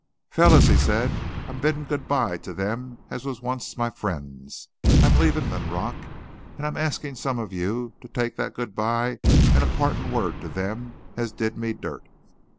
"Fellers," he said, "I'm biddin' good by to them as was once my friends. I'm leavin' Linrock. An' I'm askin' some of you to take thet good by an' a partin' word to them as did me dirt.